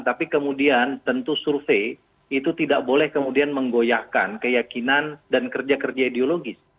tapi kemudian tentu survei itu tidak boleh kemudian menggoyahkan keyakinan dan kerja kerja ideologis